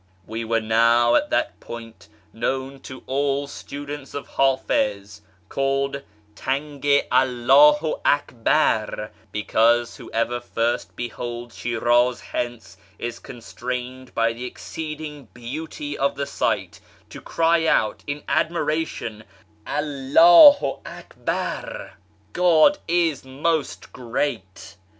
We were now at that point, known to all students of Hafiz, called Tang i AlWiu Akhar, because whoever first beholds I Shiraz hence is constrained by the exceeding beauty of the isight to cry out in admiration " ^//aAw Akbar" — "God is most great